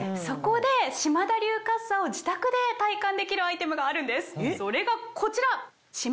そこで島田流かっさを自宅で体感できるアイテムがあるんですそれがこちら！